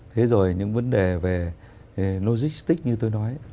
thế rồi những vấn đề về logistics như tôi nói